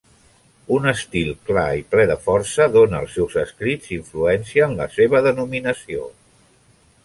Un estil clar i ple de força dona als seus escrits influència en la seva denominació.